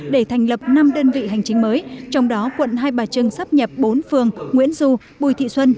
để thành lập năm đơn vị hành chính mới trong đó quận hai bà trưng sắp nhập bốn phường nguyễn du bùi thị xuân